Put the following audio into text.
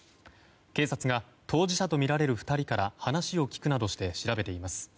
警察が当事者とみられる２人から話を聞くなどして調べています。